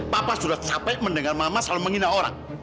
papa sudah capek mendengar mama selalu menghina orang